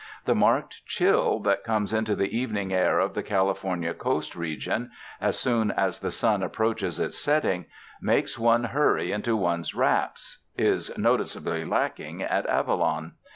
The marked chill that comes into the evening air of the California coast region as soon as the sun approaches its setting, making one hurry into one's wraps, is noticeably lacking at Avalon.